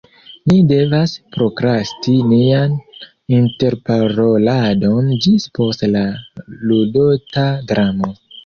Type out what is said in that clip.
Ni devas prokrasti nian interparoladon ĝis post la ludota dramo.